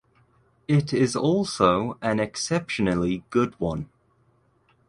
It is also an exceptionally good one.